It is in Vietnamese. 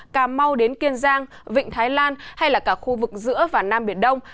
cà mau đến kiên giang vịnh thái lan hay là cả khu vực giữa và nam biển đông